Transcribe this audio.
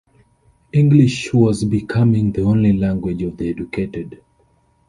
English was becoming the only language of the educated.